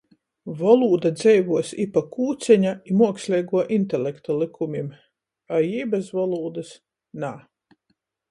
Volūda dzeivuos i pa Kūceņa, i muoksleiguo intelekta lykumim, a jī bez volūdys - nā.